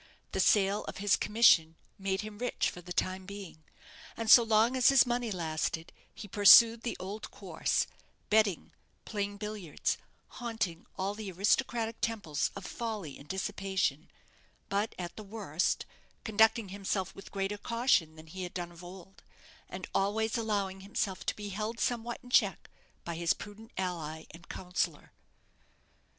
The sale of his commission made him rich for the time being, and, so long as his money lasted, he pursued the old course, betting, playing billiards, haunting all the aristocratic temples of folly and dissipation; but, at the worst, conducting himself with greater caution than he had done of old, and always allowing himself to be held somewhat in check by his prudent ally and counsellor.